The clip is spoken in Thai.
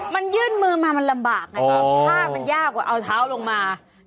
มันยื่นมือมามันลำบากนะครับถ้ามันยากกว่าเอาเท้าลงมา